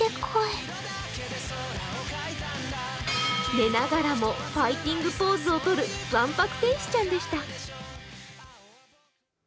寝ながらもファイティングポーズを撮る天使ちゃんでした。